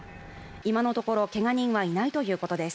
今のところ、けが人はいないということです。